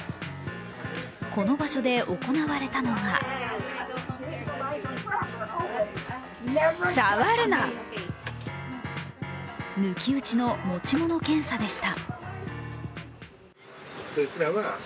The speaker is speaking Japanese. この場所で行われたのが抜き打ちの持ち物検査でした。